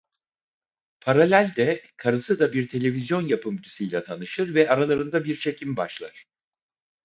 Paralel de karısı da bir televizyon yapımcısıyla tanışır ve aralarında bir çekim başlar.